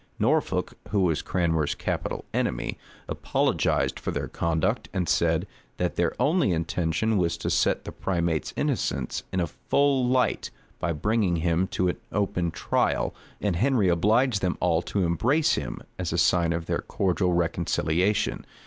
Norfolk, who was Cranmer's capital enemy, apologized for their conduct and said, that their only intention was to set the primate's innocence in a full light, by bringing him to an open trial, and Henry obliged them all to embrace him, as a sign of their cordial reconciliation.